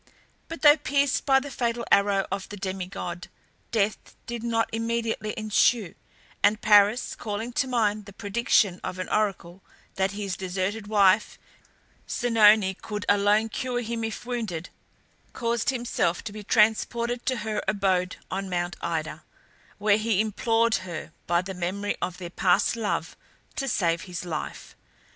But though pierced by the fatal arrow of the demi god, death did not immediately ensue; and Paris, calling to mind the prediction of an oracle, that his deserted wife Oenone could alone cure him if wounded, caused himself to be transported to her abode on Mount Ida, where he implored her by the memory of their past love to save his life.